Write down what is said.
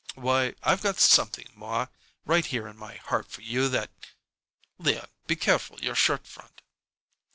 "Why, I've got something, ma, right here in my heart for you that " "Leon, be careful your shirt front!"